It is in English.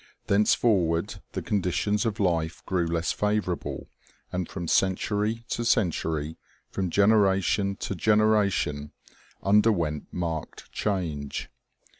Thenceforward the conditions of life grew less favorable, and from century to century, from generation to genera tion, underwent marked change.